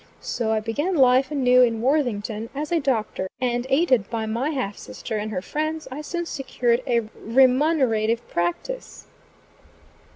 So I began life anew, in Worthington, as a Doctor, and aided by my half sister and her friends, I soon secured a remunerative practice.